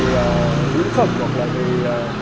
về những phẩm hoặc là về